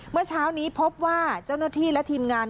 เมื่อเช้านี้พบว่าเจ้าหน้าที่และทีมงาน